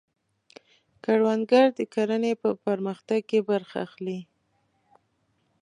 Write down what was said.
کروندګر د کرنې په پرمختګ کې برخه اخلي